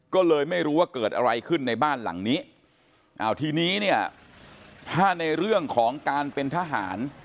ก็เลยไม่รู้ว่าเกิดอะไรขึ้นในบ้านหลังนี้อ่าทีนี้เนี่ยถ้าในเรื่องของการเป็นทหาร